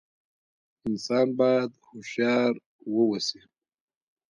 انسان بايد هوښيار ووسي